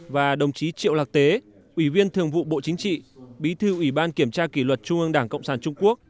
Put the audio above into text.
và đồng chí triệu lạc tế ủy viên thường vụ bộ chính trị bí thư ủy ban kiểm tra kỷ luật trung ương đảng cộng sản trung quốc